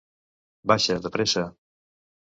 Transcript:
Baixa, de pressa!